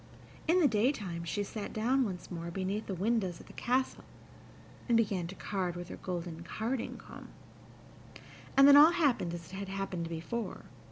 In the daytime she sat down once more beneath the windows of the castle, and began to card with her golden carding comb; and then all happened as it had happened before.